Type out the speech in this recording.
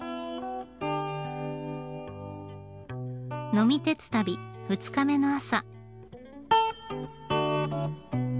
呑み鉄旅二日目の朝。